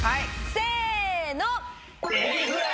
せの！